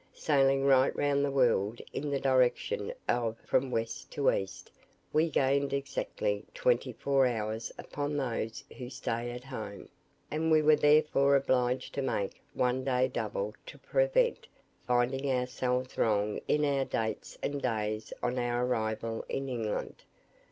Sailing right round the world in the direction of from west to east, we gained exactly twenty four hours upon those who stay at home; and we were therefore obliged to make one day double to prevent finding ourselves wrong in our dates and days on our arrival in England.